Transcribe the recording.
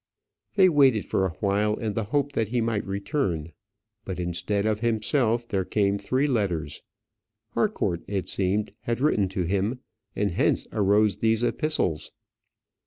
They waited for awhile in the hope that he might return; but instead of himself, there came three letters. Harcourt, it seemed, had written to him, and hence arose these epistles.